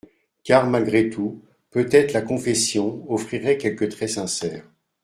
Car, malgré tout, peut-être la confession offrirait quelques traits sincères.